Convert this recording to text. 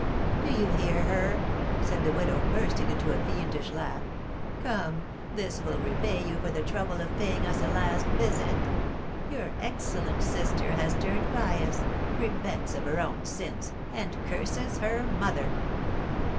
"Do you hear her?" said the widow, bursting into a fiendish laugh. "Come, this will repay you for the trouble of paying us a last visit! Your excellent sister has turned pious, repents of her own sins, and curses her mother!"